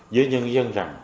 với nhân dân rằng